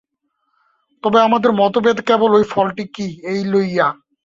তবে আমাদের মতভেদ কেবল ঐ ফলটি কি, এই লইয়া।